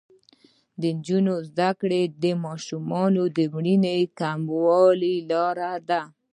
د نجونو تعلیم د ماشومانو مړینې کمولو لاره ده.